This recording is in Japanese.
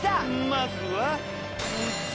まずは。